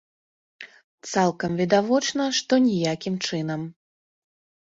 Цалкам відавочна, што ніякім чынам.